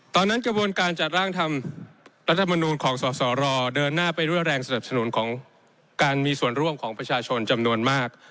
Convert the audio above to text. กระบวนการจัดร่างทำรัฐมนูลของสสรเดินหน้าไปด้วยแรงสนับสนุนของการมีส่วนร่วมของประชาชนจำนวนมาก